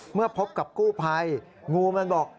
เมื่อพบกับกู้ภัยงูมันบอก